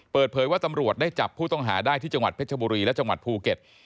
เปิดเผยว่าตำรวจได้จับผู้ต้องหาได้ที่จังหวัดเพชรบุรีและจังหวัดภูเก็ต